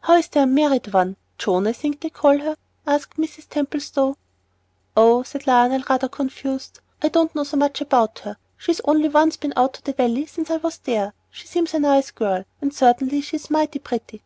"How is the unmarried one? Joan, I think they call her," asked Mrs. Templestowe. "Oh!" said Lionel, rather confused, "I don't know so much about her. She's only once been out to the valley since I was there. She seems a nice girl, and certainly she's mighty pretty."